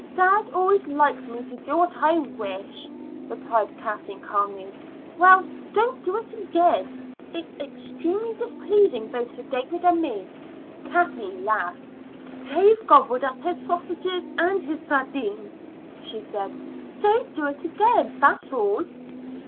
"Dad always likes me to do what I wish," replied Kathleen calmly. "Well, don't do it again. It's extremely displeasing both to David and me." Kathleen laughed. "Dave gobbled up his sausage and his sardines," she said. "Don't do it again, that's all."